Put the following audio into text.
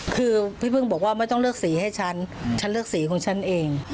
คือพี่พึ่งบอกว่าไม่ต้องเลือกสีให้ฉันฉันเลือกสีของฉันเอง